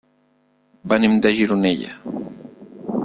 Venim de Gironella.